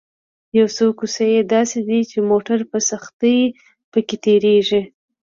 یو څو کوڅې یې داسې دي چې موټر په سختۍ په کې تېرېږي.